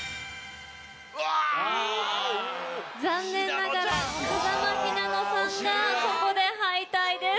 残念ながら風間ひなのさんがここで敗退です。